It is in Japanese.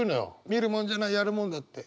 「見るものじゃないやるもんだ」って。